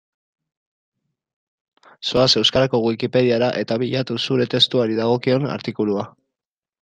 Zoaz euskarazko Wikipediara eta bilatu zure testuari dagokion artikulua.